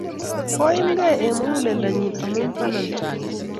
Koi imkey eng' muguleldonnyi amun pananda.